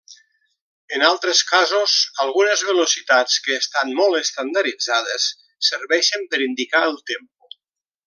En altres casos, algunes velocitats que estan molt estandarditzades serveixen per indicar el tempo.